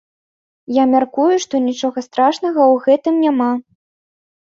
Я мяркую, што нічога страшнага ў гэтым няма.